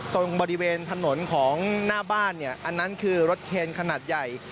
ตรงบริเวณถนนของหน้าบ้านเนี่ยอันนั้นคือรถเคนขนาดใหญ่